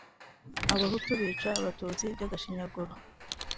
abahutu bicaga abatutsi byagashinyaguro.